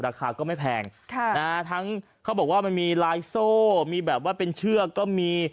ราคาก็ไม่แพงทั้งเขาบอกว่ามันมีลายโซ่มีแบบว่าเป็นเชือกก็มี